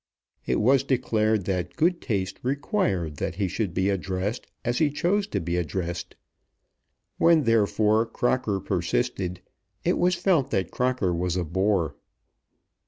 It was declared that good taste required that he should be addressed as he chose to be addressed. When, therefore, Crocker persisted it was felt that Crocker was a bore.